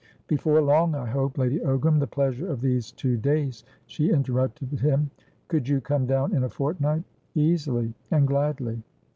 "Before long, I hope, Lady Ogram. The pleasure of these two days" She interrupted him. "Could you come down in a fortnight?" "Easily, and gladly."